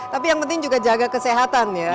tapi yang penting juga jaga kesehatan ya